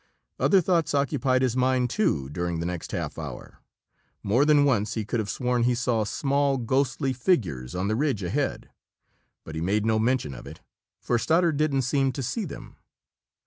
Other thoughts occupied his mind, too, during the next half hour. More than once he could have sworn he saw small, ghostly figures on the ridge ahead. But he made no mention of it, for Stoddard didn't seem to see them.